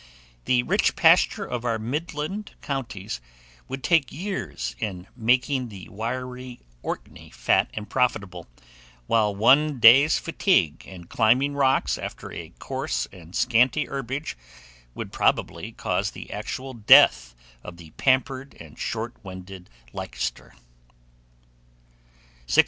The rich pasture of our midland counties would take years in making the wiry Orkney fat and profitable, while one day's fatigue in climbing rocks after a coarse and scanty herbage would probably cause the actual death of the pampered and short winded Leicester. 681.